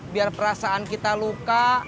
biar perasaan kita luka